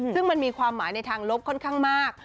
ซึ่งมันมีความหมายในทางลบค่อนข้างมาก